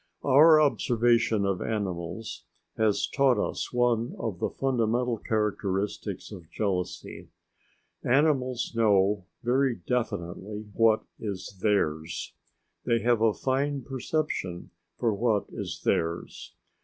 Our observation of animals has taught us one of the fundamental characteristics of jealousy. Animals know very definitely what is theirs. They have a fine perception for what is theirs.